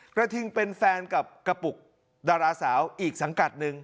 กระทิงเป็นแฟนกับกระปุกดาราสาวอีกสังกัดหนึ่ง